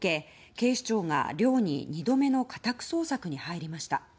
警視庁が、寮に２度目の家宅捜索に入りました。